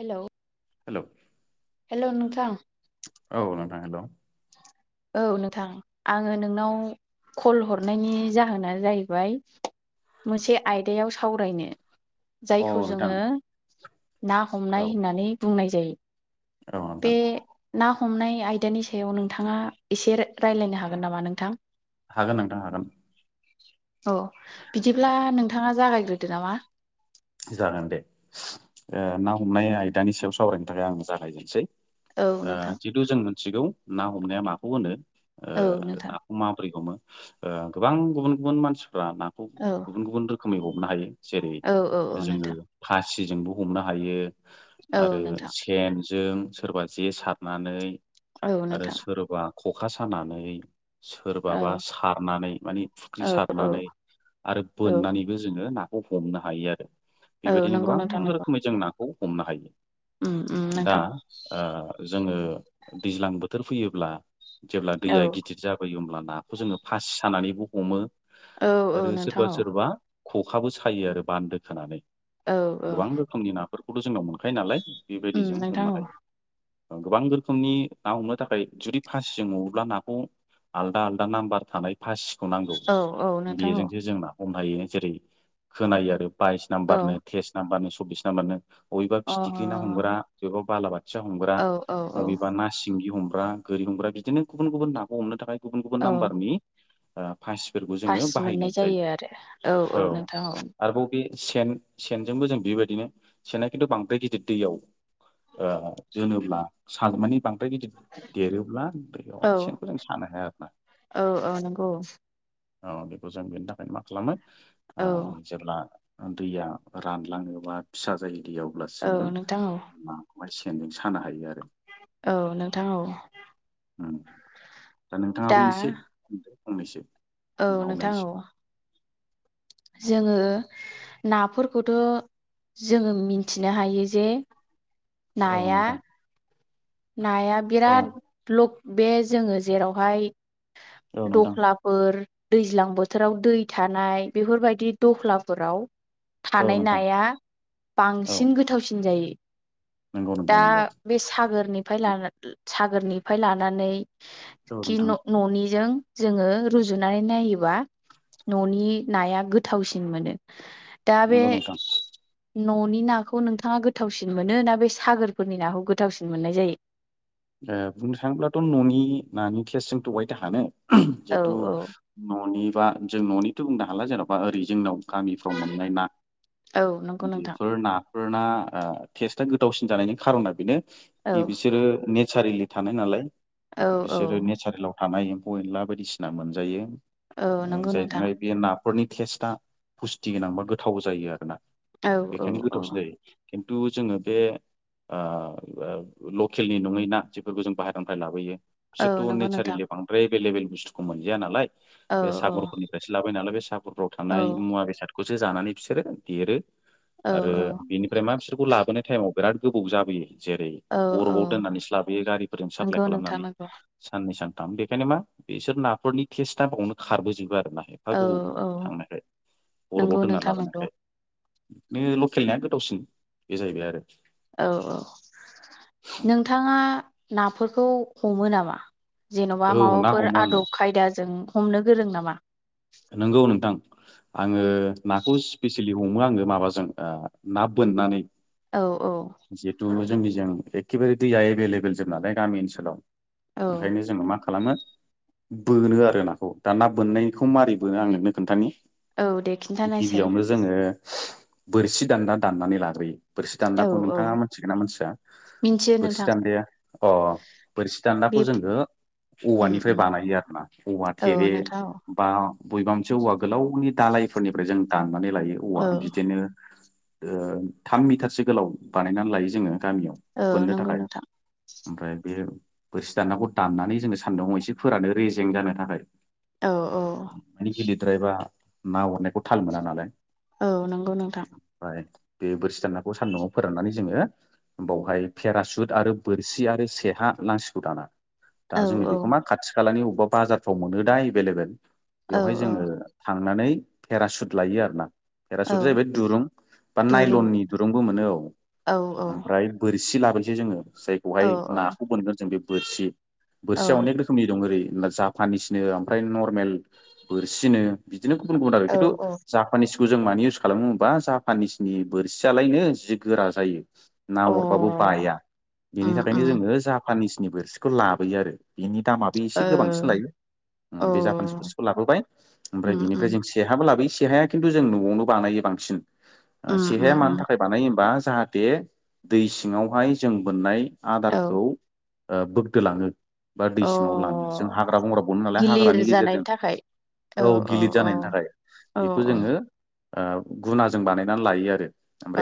हेल'। Hello. Hello नोंथां। नोंथां hello औ नोंथां आङो नोंनाव कल हरनायनि जाहोना जाहैबाय मोनसे आयदायाव सावरायनो। औ जायखौ नोंथां जोङो ना हमनाय होननानै बुंनाय जायो। रो बे नोंथां। ना हमनाय आयदानि सायाव नोंथाङा इसे रायलायनो हागोन नामा नोंथां? हागोन नोंथां हागोन। औ बिदिब्ला नोंथाङा जागायग्रोदो नामा? जागोन दे ओ ना हमनाय आयदानि सायाव सावरायनो थाखाय आं जागायजेनसै। औ नोंथां जितु जों मिथिगौ ना हमनाया माखौ होनो। ओ औ नोंथां नाखौ माबोरै हमो गोबां गुबुन गुबुन मानसिफोर फोरा नाखौ औ गुबुन गुबुन रोखोमै हमनो हायो। जेरै औ औ। औ जोङो नोंथां फासिजोंबो हमनो हायो औ आरो नोंथां सेन जों सोरबा जे सारनानै औ आरो नोंथां सोरबा ख'खा सानानै। सोरबाबा औ सारनानै माने फुख्रि औ सारनानै आरो औ बोननानैबो जोङो ना खौ हमनो हायो आरो औ बेबायदिनो नंगौ गोबां नोंथां नंगौ रोखोमै जों नाखौ हमनो हायो। उम उम दा नोंथां ओ जोङो दैज्लां बोथोर फैयोब्ला जेब्ला दैया औ गिदिर जाबोयो होमब्ला नाखौ जोङो फासि सानानैबो हमो। औ औ आरो नोंथां सोरबा औ सोरबा खखाबो सायो आरो बान्दो खोनानै औ औ गोबां रोखोमनि नाफोरखौथ' जोंनाव मोनखायो नालाय। बेबायदि उम जों नोंथां हमनो औ हायो। गोबां रोखोमनि ना हमनो थाखाय जुदि फासिजों हमोब्ला नाखौ आलदा आलदा नाम्बार थानाय फासिखौ नांगौ औ औ नोंथां औ बेजोंसो जोंना हम हायो जेरै खोनायो आरो बाइस नाम्बार, तेस नाम्बारनो, सब्बिस नाम्बारनो अबेबा औ अ फिथिख्रि ना हमग्रा, बबेबा बालाबाथिया हमग्रा, औ औ औ अबेबा ना सिंगि हमग्रा ग्रा गोरि हमग्रा बिदिनो गुबुन गुबुन नाखौ हमनो थाखाय गुबुन गुबुन औ नाम्बारनि फासिफोरखौ पास जोङो मोननाय बाहायनाय जायो आरो जायो औ नोंथां औ आरोबाव बे सेन सेनजोंबो जों बेबायदिनो सेनना खिन्थु बांद्राय गिदिर दैयाव ओ दोनोब्ला साल माने बांद्राय गिदिर देरोब्ला बेयावहाय औ सेनखौ जों सानो हाया आरोना। औ औ नोंगौ। औ बेखौ जों बेनि थाखायनो मा खालामो औ ओ जेब्ला दैया रानलाङोबा फिसा जायो दै औ अब्लासो जोङो नोंथां औ ना माने सेनजों सानो हायो आरो। औ नोंथां औ। दा नोंथाङाबो इसे होनदो फंनैसो औ ना हमनायनि नोंथां औ जोङो नाफोरखौथ' जोङो मिथिनो हायो जे सायाव औ नाया नोंथां नाया औ बिराद ब्लक बे जोङो जेरावहाय औ नोंथां दख्लाफोर दैज्लां बोथोराव दै थानाय बेफोरबायदि दख्लाफोराव औ थानाय नोंथां नाया औ बांसिन गोथावसिन जायो। नंगौ दा नोंथां नंगौ बे सागोरनिफ्राय लानान सागोरनिफ्राय लानानै औ कि नोंथां न न'निजों जोङो रुजुनानै नायोबा न'नि नाया गोथावसिन मोनो। दा बे नंगौ नोंथां न'नि नाखौ नोंथाङा गोथावसिन मोनो ना बे सागोरफोरनि नाखौ गोथावसिन मोननाय जायो? बुंनो थाङोब्लाथ' न'नि नानि थेस्टजों अहायथो हानो औ जितु औ ननि बा जों न'निथ' बुंनो हाला जेन'बा ओरै जोंनाव गामिफ्राव मोननाय ना औ नंगौ नोंथां। फोरना टेस्टा गोदावसिन जानायनि खारना बेनो औ कि बिसोरो नेचारेलि थानाय नालाय औ औ बिसोरो नेचारेलाव थानाय एम्फौ एनला बायदिसिना मोनजायो औ नंगौ नोंथां। नखरनि टेस्टआ पुस्टि गोनांबा गोथाव जायो आरोना औ औ बेखायनो औ गोथावसिन जायो। खिन्थु जोङो बे ओ लकेलनि नङै ना जेफोरखौ जों बाहेरनिफ्राय लाबोयो औ बिसोरथ' नंगौ नोंथां नेचारेलि बांद्राय एभेलेबेल बुस्थुखौ मोनजाया नालाय औ बे सागरफोरनिफ्रायसो लाबोयो नालाय बे सागरफोराव औ थानाय मुवा बेसादखौसो जानानै बिसोरो देरो। औ आरो बिनिफ्राय मा बिसोरखौ लाबोनाय टाइमाव बिराद गोबाव जाबोयो। जेरै औ औ बरफआव दोननानैसो लाबोयो गारिफोरजों साप्लााय नंगौ नोंथां खालामनानै नंगौ साननै सान थाम बेखायनो मा बेसोर नाफोरनि टेस्टआ बावनो खारबोजोबो आरो एफा औ गोबाव औ थांनायखाय नंगौ बरफाव दोनना नोंथां नंगौ लाबोनखाय नै लकेलनि नाया गोथावसिन बे जाहैबाय आरो। औ औ नोंथाङा नाफोरखौ हमो नामा? जेन'बा औ ना माबाफोर हमो आङो आदब खायदाजों हमनो गोरों नामा? नंगौ नोंथां। आङो नाखौ स्पेसिलि हमो आङो माबाजों ना बोननानै औ औ जिहेथु जोंनिजों एखेबारे दैया एभेलेबेल जोब नालाय गामि ओनसोलाव औ ओंखायनो जोङो मा खालामो बोनो आरो नाखौ दा ना बोननायखौ मारै बोनो आं नोंनो खोन्थानि औ दे खिन्थानायसाय गिबियावनो जोङो बोरसि दान्दा दान्नानै लाग्रोयो बोरसि औ दान्दाखौ औ नोंथाङा मोनथिगोन ना मानथिया मिन्थियो बोरसि नोंथां दान्दाया अ अ बोरसि बे दान्दाखौ जोङो उम औवानिफ्राय उम बानायो आरो ना औवा औ थेरे नोंथां औ बा बबेबा मोनसे औवा गोलावनि दालायफोरनिफ्राय जों दानानै लायो औवा औ बिदिनो थाम मिटारसो गोलाव बानायनानै लायो जोङो गामियाव औ बोननो नंगौ थाखाय नोंथां ओमफ्राय बे बोरसि दानदाखौ दाननानै जोङो सानदुंआव एसे फोरानो रेजें जानो थाखाय औ औ माने गेलिरद्रायबा ना हरनायखौ थाल मोना नालाय औ नंगौ नोंथां। ओमफ्राय बे बोरसि दानाखौ सान्दुंआव फोराननानै जोङो बावहाय पेरासुट आरो बोरसि आरो सेहा नांसिगौ दाना औ दा जोंनि औ बेखौ मा खाथि खालानि अबेबा बाजारफ्राव मोनो दा एभेलेबेल औ बेवहाय जोङो औ थांनानै पेराशुट लाययो आरोना पेरासुट औ जाहैबाय दुरुं बा दुरुं नाइलननि दुरुंबो मोनो औ औ ओमफ्राय बोर बोरसि लाबायसै जोङो औ जायखौहाय नाखौ बोनगोन जों बे बोरसि औ बोरसिया अनेक रोखोमनि दं ओरै जापानिसनो ओमफ्राय नरमेल बोरसिनो बिदि बिदिनो गुबुन गुबुन आरो औ खिथु औ जापानिस खौ जों मानो इउस खालामोबा जापानिसनि बोरसियालायनो जि गोरा जायो ना अ हरबाबो बाया बेनि उम थाखायनो उम जोङो जापानिस बिनि बोरसिखौ लाबोयो आरो बेनि दामाबो ओ एसे गोबांसिन लायो औ बे जाफानिस लाबोबाय ओमफ्राय उम उम बिनिफ्राय जों सेहाबो लाबोयो सेहाया खिन्थु जों न'आवनो बानायो बांसिन उम उम सेहाया मानो उम थाखाय बानायो होनबा जाहाथे दै सिङावहाय जों बोननाय औ आदारखौ बोगदोलाङो बा दै अ सिङाव लाङो जों हाग्रा बंग्रा बोनो नालाय गिलिर हाग्रानि जानायनि गेजेरजों थाखाय औ गिलिर जानायनि थाखाय औ बेखौ जोङो ओ गुना जजों बानायनानै लायो आरो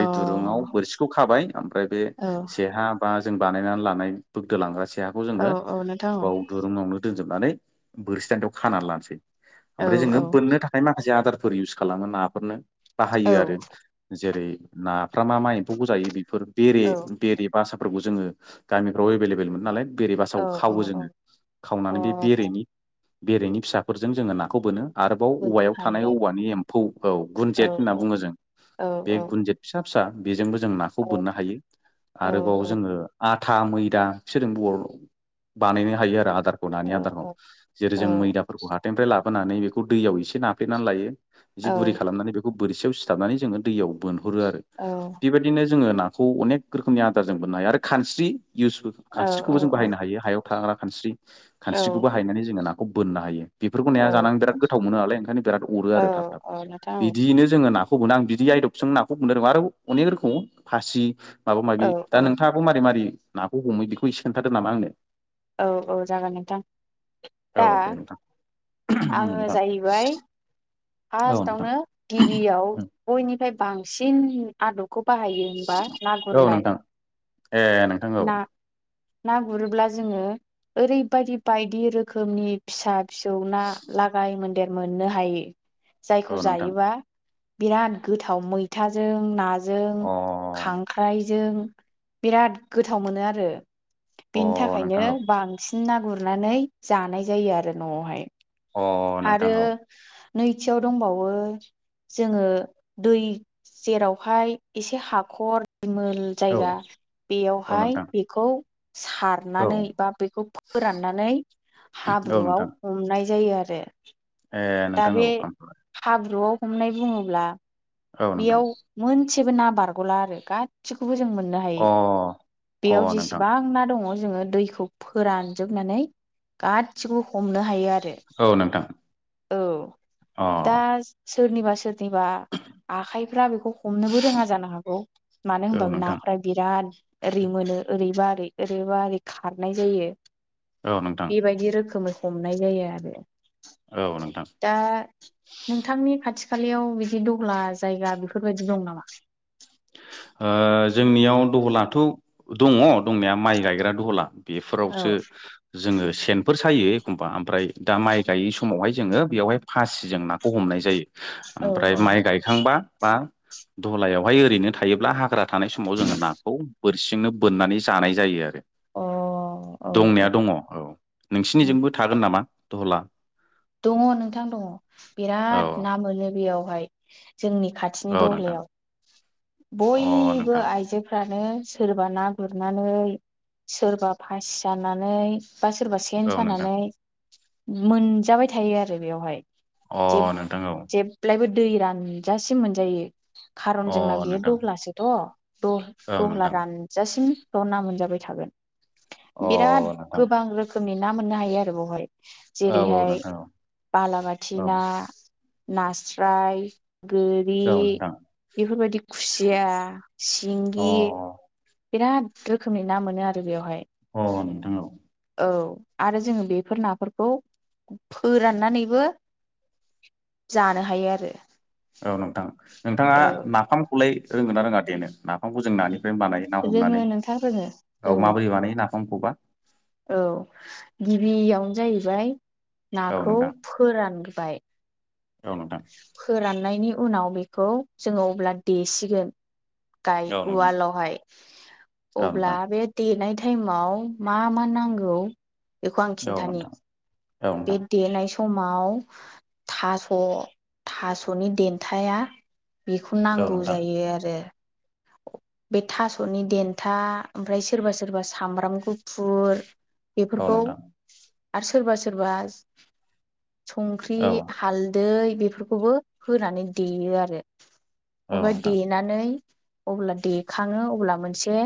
औ दुरुङाव बोरसिखौ खाबाय ओमफ्राय बे औ सेहा बा जों बानायनानै लानाय दोलांगासिनो फिहाखौ औ जोङो औ नोंथां बाव दुरुंनावनो दोनजोबनानै बोरसि दान्दायाव खानानै लानोसै औ ओमफ्राय जोङो औ बोननो थाखाय माखासे आदारफोर इउस खालामो नाफोरनो औ बाहायो आरो जेरै नाफ्रा मा मा एम्फौखौ जायो बिदि फोर बेरे औ बेरे बासाफोरखौ जोङो गामिफ्राव एभेल एभेल नालाय बेरे बासाखौ औ खावो जोङो औ अ खावनानै बे बेरेनि बेरेनि फिसाफोरजों जोङो नाखौ बोनो आरोबाव बोननो औवायाव थानाय हायो औवानि एम्फौ औ गुनजेत होनना आरो बुङो जों औ बे गुनजेत फिसा फिसा बेजोंबो जों नाखौ औ बोननो हायो औ आरोबाव जोङो आथा मैदा बिफोरजों बर बानायनो हायो आरो नानि औ आदारखौ औ जेरै जों मैदा फ्राय लाबोनानै बेखौ दैयाव एसे नाफ्लेनानै लायो एसे औ गुरै खालामनानै बेखौ बोरसियाव सिथाबनानै जोङो दैयाव बोनहरो आरो बेबायदिनो जोङो नाखौ अनेक रोखोमनि आदार जों मोननो हायो आरो खानस्रि इउस औ खानस्रिखौबो जों बाहायनो हायो हायाव थाग्रा खानस्रि खानस्रिखौबो हायनानै जोङो नाखौ बोननो हायो बेफोरखौ नाया जानानै बिराद गोथाव मोनो नालाय ओंखायनो बिराद अरो आरो थाब औ थाब औ नोंथां औ बिदियैनो जोङो नाखौ मोनो आं बिदि आइदबजों नाखौ बनो रोङ आरो अनेक रोखोम फासिब माबा औ माबि औ दा नोंथाङाब मारै मारै नाखौ हमो बेखौ एसे खोनन्थादो नामा आंनो औ औ जागोन नोंथां औ दा दे नोंथां आङो नोंथां जाहैबाय औ नोंथां फार्स्टआवनो गिबियाव बयनिफ्राय बांसिन आदबखौ बाहायो होमबा ना औ गुरनाय नोंथां ए नोंथां औ ना ना गुरोब्ला जोङो ओरैबायदि बायदि रोखोमनि फिसा फिसौ ना लागाय मोन्देर मोननो हायो औ जायखौ नोंथां जायोबा बिराद गोथाव मैथाजों नाजों अ खांख्राय जों बिराद गोथाव मोनो आरो बेनि अ थाखायनो नोंथां बांसिन बि ना गुरनानै जानाय जायो आरो न'आवहाय औ अ आरो नोंथां औ नैथियाव दंबावो जोङो दै जेरावहाय एसे हाखर दिमोल जायगा औ बेयावहाय नोंथां बेखौ औ सारनानै बा बेखौ फोराननानै औ हाब्रुआव नोंथां हमनाय जायो आरो ए दा नोंथां औ बे हाब्रुआव हमनाय बुङोब्ला औ नोंथां बेयाव मोनसेबो ना बारग'ला आरो गासिखौबो जों मोनो अ अ बेयाव नोंथां जेसेबां ना दङ जोङो दैखौ फोरानजोबनानै गासिखौबो हमनो हायो आरो औ नोंथां औ अ दा सोरनिबा सोरनिबा आखाइफ्रा बेखौ हमनोबो रोङा जानो हागौ मानो औ होनबाबो नोंथां नाफोरा बिराद ओरै मोनो ओरै बा ओरै ओरैबा ओरै खारनाय जायो औ नोंथां बेबायदि रोखोमै। हमनाय जायो आरो औ नोंथां दा नोंथांनि खाथि खालायाव बिदि दहला जायगा बेफोरबायदि दं नामा ओ जोंनियाव दहलाथ' दङ दंनाया माइ गायग्रा दहला औ बेफोरावसो जोङो सेनफोर सा सायो एखमबा ओमफ्राय दा माइ गायै समावहाय जोङो बेयावहाय फासिजों नाखौ हमनाय जायो औ ओमफ्राय माइ गायखांबा बा दहलायावहाय ओरैनो थायोब्ला हाग्रा थानाय समाव जोङो नाखौ बोरसिंनो बोननानै जानाय जायो आरो औ अ दंनाया दङ औ नोंसिनिजोंबो थागोन नामा दहला दङ नोंथां दङ औ बिराद ना मोनो बेयावहाय जोंनि खाथिनि औ नोंथां दहलायाव अ बयबो नोंथां आइजोफ्रा नो सोरबा ना गुरनानै सोरबा फासि सानानै बा सोरबा सेन औ नोंथां सानानै मोनजाबाय थायो आरो बेवहाय अ जेब नोंथां औ जेब्लायबो दै रानजासिम मोनजायो खारन जोंना औ अ बेयो नोंथां दहलासोथ' द औ दहला नोंथां रानजासिमल' ना मोनजाबाय थागोन अ बिराद नोंथां गोबां रोखोमनि ना मोननो हायो आरो बेवहाय औ औ नोंथां औ बालाबाथि औ ना नास्राय गोरि औ नोंथां बेफोरबायदि खुसिया अ सिंगि बिराद रोखोमनि ना मोनो आरो बेवहाय अ नोंथां औ औ आरो जोङो बेफोर नाफोरखौ फोराननानैबो जानो हायो आरो औ नोंथां नोंथाङा औ नाफामखौलाय रोङोना रोङा देनो नाफामखौ जों नानि बानायो ना रोङो हमनानै नोंथां रोङो औ रोङो माबोरै बानायो नाफामखौबा? औ गिबियावनो जाहैबाय औ नाखौ नोंथां फोरानग बाय। औ नोंथां फोराननायनि उनाव बेखौ जोङो अब्ला देसिगोन गाय औ नोंथां उवालावहाय औ अब्ला नोंथां बे देनाय टाइमाव मा मा नांगौ बेखौ आं औ खिन्थानि नोंथां औ बे नोंथां देनाय समाव थास' थास'नि देन्थाया बेखौ औ नांगौ नोंथां जायो आरो। बे थास'नि देन्था ओमफ्राय सोरबा सोरबा सामब्राम गुफुर औ बेफोरखौ नोंथां आरो सोरबा सोरबा संख्रि औ नोंथां औ हालदै बेफोरखौबो होनानै देयो आरो। ओमफाय नोंथां देनानै अब्ला देखाङो अब्ला मोनसे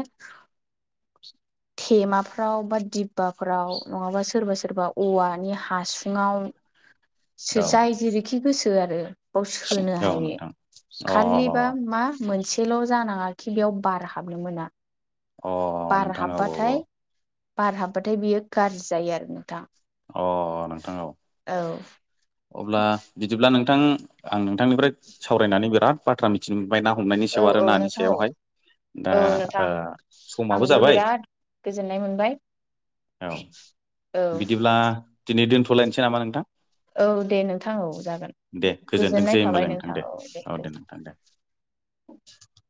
थेमाफ्राव बा दिब्बाफोराव नङाबा सोरबा सोरबा औवानि हासुङाव अ जाय जेरैखि गोसो आरो। बाव सोनो अ हायो नोंथां औ खाालिबा औ मा मोनसेल' जानाङाखि बेयाव बार हाबनो मोना। औ बार हाब्बाथाय बार हाब्बाथाय बियो गाज्रि जायो आरो नोंथां। अ नोंथां औ औ अब्ला बिदिब्ला नों नोंथां आं नोंथांनिफ्राय सावरायनानै बिराद बाथ्रा मिथिनो ओमफ्राय ना हमनायनि औ सायाव आरो औ नानि नोंथां औ सायावहाय। दा औ नोंथां ओ समाबो आंबो जाबाय। बिराद गोजोननाय मोनबाय औ औ बिदिब्ला दिनै दिनथ'लायनोसै नामा नोंथां? औ दे नोंथां औ जागोन दे गोजोननाय गोजोनथोंसै थाबाय होमबालाय नोंथां औ दे नोंथां दे गोजोन। [unintelligible]